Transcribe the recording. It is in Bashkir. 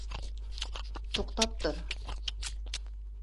— Туҡтап тор.